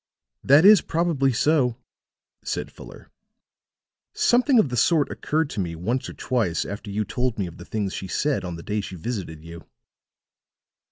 "That is probably so," said Fuller. "Something of the sort occurred to me once or twice after you told me of the things she said on the day she visited you."